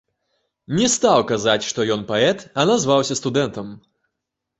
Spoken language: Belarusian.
Не стаў казаць, што ён паэт, а назваўся студэнтам.